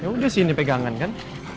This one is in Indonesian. yaudah sih ini pegangan kan